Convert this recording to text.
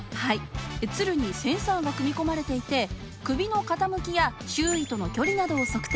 ツルにセンサーが組み込まれていて首の傾きや周囲との距離などを測定。